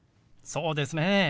そうですね。